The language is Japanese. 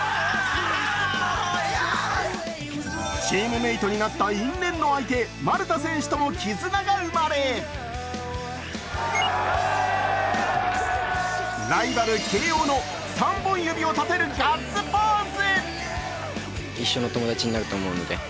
チームメイトになった因縁の相手丸太選手との間に絆も生まれ、ライバル・慶応の３本指を立てるガッツポーズ。